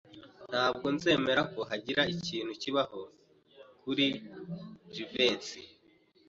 Ntabwo nzemera ko hagira ikintu kibaho kuri Jivency.